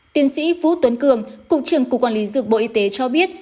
tiến sĩ vũ tuấn cường cục trưởng cục quản lý dược bộ y tế cho biết